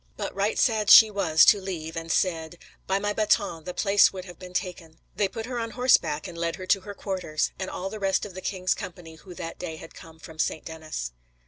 But right sad she was to leave and said, 'By my bâton, the place would have been taken.' They put her on horseback, and led her to her quarters, and all the rest of the king's company who that day had come from St. Denis."